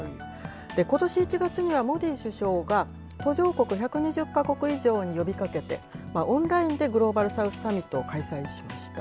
ことし１月にはモディ首相が途上国１２０か国以上に呼びかけて、オンラインでグローバル・サウスサミットを開催しました。